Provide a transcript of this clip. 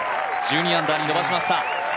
１２アンダーに伸ばしました。